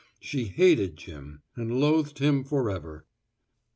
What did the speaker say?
She hated Jim and loathed him forever.